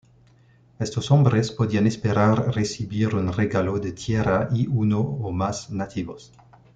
Estos hombres podían esperar recibir un regalo de tierra y uno o más nativos.